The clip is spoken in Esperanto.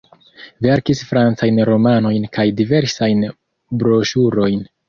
Verkis francajn romanojn kaj diversajn broŝurojn.